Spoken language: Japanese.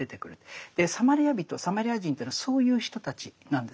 サマリア人サマリア人というのはそういう人たちなんですね。